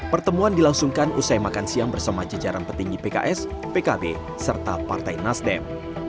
pertemuan dilangsungkan usai makan siang bersama jejaran petinggi pks pkb serta partai nasdem